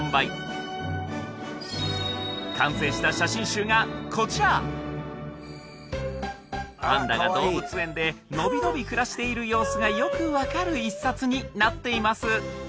これはがこちらパンダが動物園でのびのび暮らしている様子がよく分かる一冊になっています